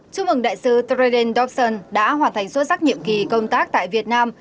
chúc mừng đại sứ triden dobson đã hoàn thành xuất sắc nhiệm kỳ công tác tại việt nam